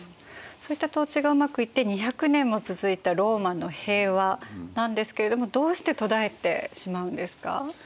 そういった統治がうまくいって２００年も続いたローマの平和なんですけれどもどうして途絶えてしまうんですか。